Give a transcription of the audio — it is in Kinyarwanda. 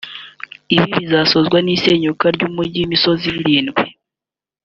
Ibi bizasozwa n’isenyuka ry’umujyi w’imisozi irindwi